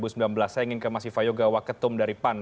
saya ingin ke mas viva yoga waketum dari pan